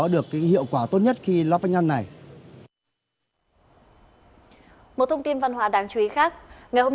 được cái hiệu quả tốt nhất khi lắp văn nhăn này có một thông tin văn hóa đáng chú ý khác ngày hôm